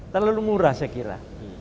terlalu murah saya kira